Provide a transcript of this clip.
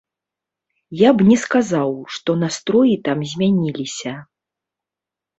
Я б не сказаў, што настроі там змяніліся.